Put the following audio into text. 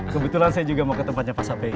kebetulan saya juga mau ke tempatnya pak sapi